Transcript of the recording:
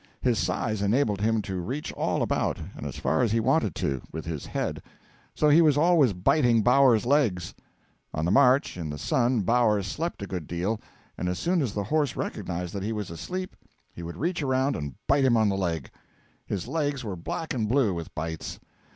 His size enabled him to reach all about, and as far as he wanted to, with his head; so he was always biting Bowers's legs. On the march, in the sun, Bowers slept a good deal; and as soon as the horse recognised that he was asleep he would reach around and bite him on the leg. His legs were black and blue with bites.